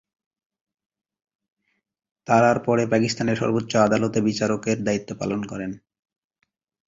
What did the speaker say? তারার পরে পাকিস্তানের সর্বোচ্চ আদালতে বিচারকের দায়িত্ব পালন করেন।